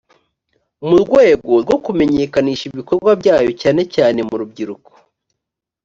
mu rwego rwo kumenyekanisha ibikorwa byayo cyane cyane mu rubyiruko